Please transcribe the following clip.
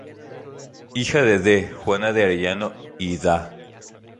Hija de D. Juan de Arellano y de Dª.